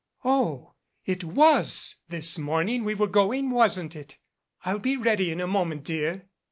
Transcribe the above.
"Oh, it was this morning we were going, wasn't it? I'll be ready in a moment, dear."